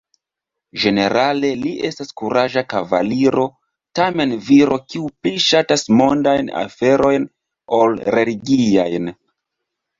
Ĝenerale li estas kuraĝa kavaliro, tamen viro kiu pli ŝatas mondajn aferojn ol religiajn.